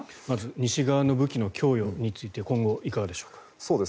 まず西側の武器の供与について今後いかがでしょうか。